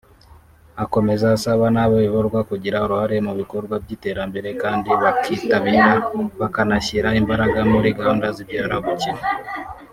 Akomeza asaba n’abayoborwa kugira uruhare mu bikorwa by’iterambere kandi bakitabira bakanashyira imbaraga muri gahunda zibyara ubukire